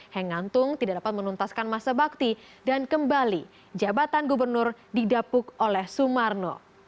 hengantung tidak dapat menuntaskan masa bakti dan kembali jabatan gubernur didapuk oleh sumarno